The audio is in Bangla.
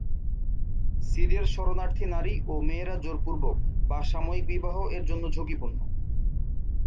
সিরিয়ার শরণার্থী নারী ও মেয়েরা জোরপূর্বক বা "সাময়িক বিবাহ" এর জন্য ঝুঁকিপূর্ণ।